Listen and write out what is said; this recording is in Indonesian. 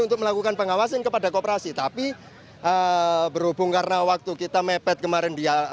untuk melakukan pengawasan kepada kooperasi tapi berhubung karena waktu kita mepet kemarin dia